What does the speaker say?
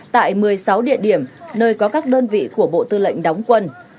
tại một mươi sáu địa điểm nơi có các đơn vị của bộ tư lệnh đóng quân